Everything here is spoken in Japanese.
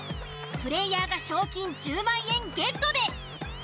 プレイヤーが賞金１０万円ゲットです。